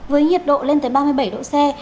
với nhiệt độ lên tới ba mươi bảy độ c